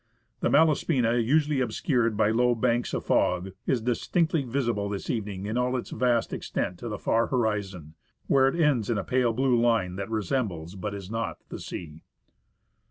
The Malaspina, usually obscured by low banks of fog, is distinctly visible this evening in all its vast extent to the far horizon, where it ends in a pale blue line that re sembles, but is not, the sea.